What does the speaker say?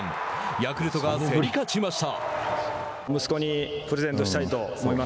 ヤクルトが競り勝ちました。